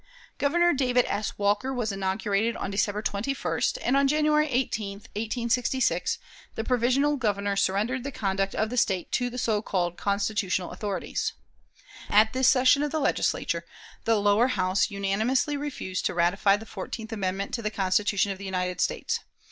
Governor David S. Walker was inaugurated on December 21st, and on January 18, 1866, the provisional Governor surrendered the conduct of the State to the so called constitutional authorities. At this session of the Legislature, the Lower House unanimously refused to ratify the fourteenth amendment to the Constitution of the United States.